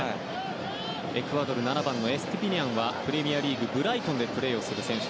エクアドル７番、エストゥピニャンはプレミアリーグブライトンでプレーする選手。